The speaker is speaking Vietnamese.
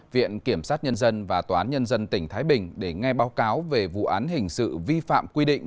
viện kiểm sát nhân dân và tòa án nhân dân tỉnh thái bình để nghe báo cáo về vụ án hình sự vi phạm quy định